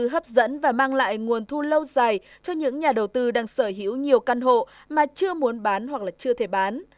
căn hộ dịch vụ sẽ là một loại nguồn thu lâu dài cho những nhà đầu tư đang sở hữu nhiều căn hộ mà chưa muốn bán hoặc là chưa thể bán